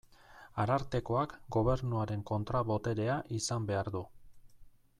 Arartekoak Gobernuaren kontra-boterea izan behar du.